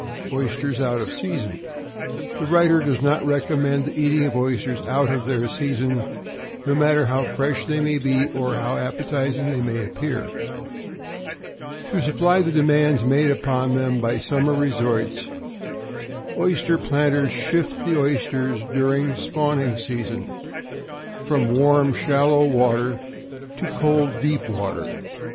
=Oysters out of Season.= The writer does not recommend the eating of oysters out of their season, no matter how fresh they may be, or how appetizing they may appear. To supply the demands made upon them by summer resorts, oyster planters shift the oysters, during the spawning season, from warm shallow water to cold deep water.